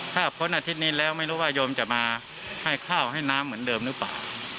ถ้าพ้นอาทิตย์นี้แล้วไม่รู้ว่าโยมจะมาให้ข้าวให้น้ำเหมือนเดิมหรือเปล่า